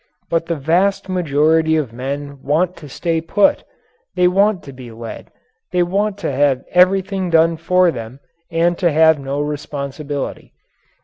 But the vast majority of men want to stay put. They want to be led. They want to have everything done for them and to have no responsibility.